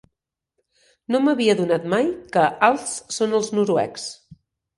No m'havia adonat mai què alts són els noruecs.